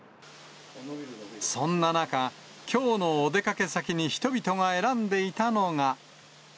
そんな中、きょうのお出かけ先に人々が選んでいたのが。